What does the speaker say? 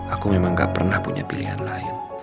aku memang gak pernah punya pilihan lain